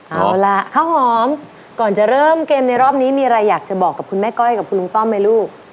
เอาล่ะข้าวหอมก่อนจะเริ่มเกมในรอบนี้มีอะไรอยากจะบอกกับคุณแม่ก้อยกับคุณลุงต้อมไหมลูก